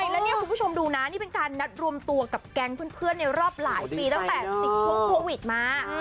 แล้วเนี่ยคุณผู้ชมดูนะนี่เป็นการนัดรวมตัวกับแก๊งเพื่อนในรอบหลายปีตั้งแต่ติดช่วงโควิดมา